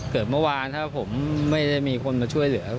เกิดเมื่อวานถ้าผมไม่ได้มีคนมาช่วยเหลือ